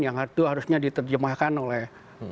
yang harusnya diterjemahkan oleh